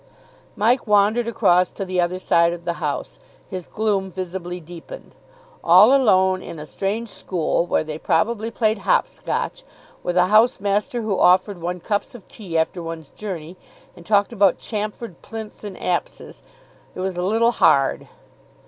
Mike wandered across to the other side of the house, his gloom visibly deepened. All alone in a strange school, where they probably played hopscotch, with a house master who offered one cups of tea after one's journey and talked about chamfered plinths and apses. It was a little hard.